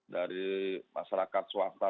dari masyarakat swasta